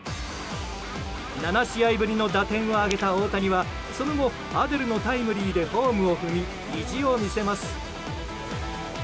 ７試合ぶりの打点を挙げた大谷はその後、アデルのタイムリーでホームを踏み意地を見せます。